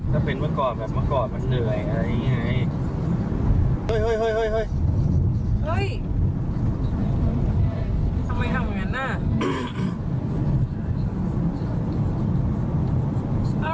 ถ้าเป็นเมื่อก่อนแบบเมื่อก่อนมันเหนื่อยอะไรอย่างงี้ไงเฮ้ยเฮ้ยเฮ้ยเฮ้ยเฮ้ย